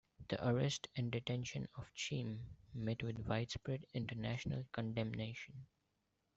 The arrest and detention of Cheam met with widespread international condemnation.